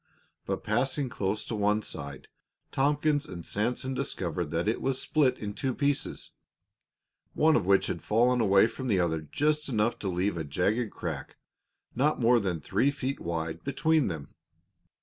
But passing close to one side, Tompkins and Sanson discovered that it was split in two pieces, one of which had fallen away from the other just enough to leave a jagged crack, not more than three feet wide, between them.